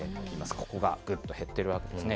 ここがぐっと減っているわけですね。